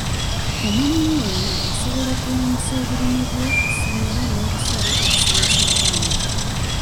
Omulimi yenna asobola okuwaanyisa ebirime bye ku ssomero n'ebisale okusomesa abaana.